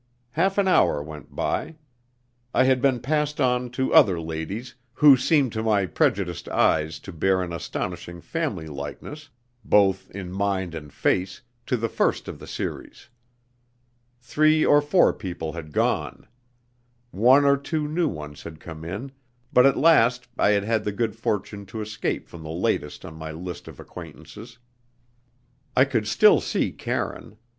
Half an hour went by. I had been passed on to other ladies, who seemed to my prejudiced eyes to bear an astonishing family likeness, both in mind and face, to the first of the series. Three or four people had gone. One or two new ones had come in, but at last I had had the good fortune to escape from the latest on my list of acquaintances. I could still see Karine.